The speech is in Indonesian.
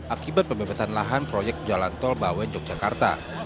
akibat pembebasan lahan proyek jalan tol bawen yogyakarta